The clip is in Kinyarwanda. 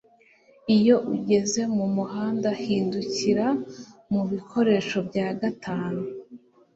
Iyo ugeze mumuhanda hindukira mubikoresho bya gatanu